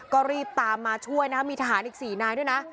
ก็รีบตามมาช่วยนะครับมีทหารอีก๔นายด้วยนะ